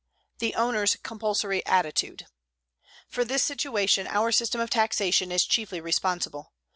THE OWNER'S COMPULSORY ATTITUDE For this situation our system of taxation is chiefly responsible.